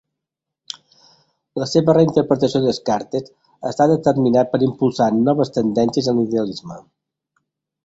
La seva reinterpretació de Descartes ha estat determinant per impulsar noves tendències en l'idealisme.